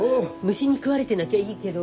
虫に食われてなきゃいいけど。